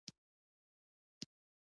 نجلۍ د همت نښه ده.